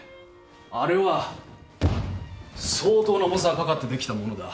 あれは相当な重さがかかってできたものだ